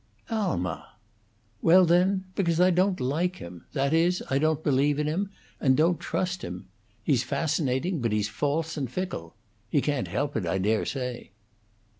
"Alma!" "Well, then, because I don't like him that is, I don't believe in him, and don't trust him. He's fascinating, but he's false and he's fickle. He can't help it, I dare say."